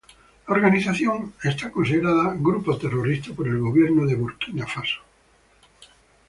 La organización es considerada grupo terrorista por el gobierno de Burkina Faso.